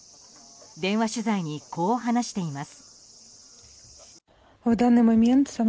電話取材にこう話しています。